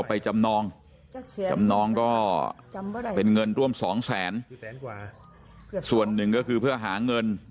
ไปจำนองจำนองก็เป็นเงินร่วมสองแสนส่วนหนึ่งก็คือเพื่อหาเงิน